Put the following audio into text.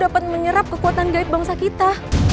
dapat menyerap kekuatan gaib bangsa kita